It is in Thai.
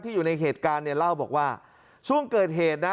อยู่ในเหตุการณ์เนี่ยเล่าบอกว่าช่วงเกิดเหตุนะ